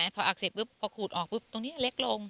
พออักเสบเขาออกตรงนี้เล็กลง